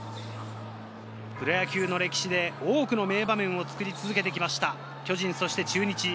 プロ野球の歴史で多くの名場面を作り続けてきました巨人、そして中日。